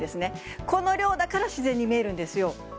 この量だから自然に見えるんですよ。